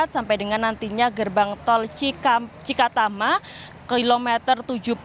sampai dengan nantinya gerbang tol cikatama kilometer tujuh puluh